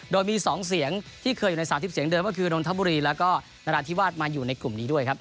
โดยมี๒เสียงที่เคยอยู่ใน๓๐เสียงเดิมก็คือนนทบุรีแล้วก็นราธิวาสมาอยู่ในกลุ่มนี้ด้วยครับ